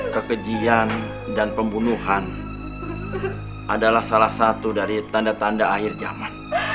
kekejian dan pembunuhan adalah salah satu dari tanda tanda akhir zaman